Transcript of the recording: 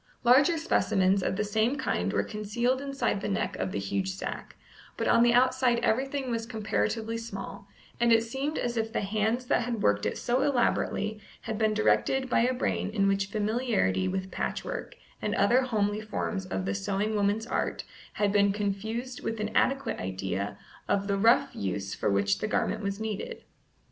Larger specimens of the same kind were concealed inside the neck of the huge sack, but on the outside everything was comparatively small, and it seemed as if the hands that had worked it so elaborately had been directed by a brain in which familiarity with patchwork, and other homely forms of the sewing woman's art, had been confused with an adequate idea of the rough use for which the garment was needed.